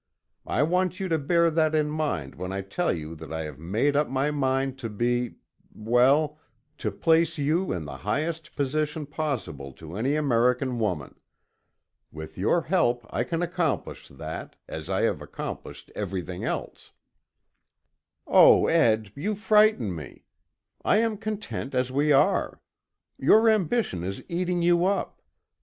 I want you to bear that in mind when I tell you that I have made up my mind to be well, to place you in the highest position possible to any American woman. With your help I can accomplish that, as I have accomplished everything else." "Oh, Ed, you frighten me. I am content as we are. Your ambition is eating you up.